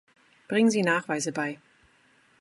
Bringen Sie Nachweise bei.